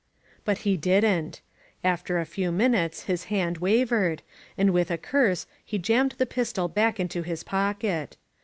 But he didn't. After a few minutes his hand wav ered, and with a curse he jammed the pistol back into his pocket.